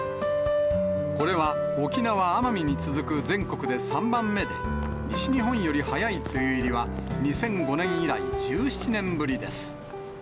これは沖縄・奄美に続く全国で３番目で、西日本より早い梅雨入りは、２００５年以来１７年ぶりです。